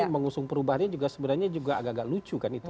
nah narasi perubahannya sebenarnya juga agak agak lucu kan itu